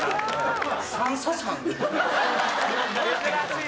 珍しい！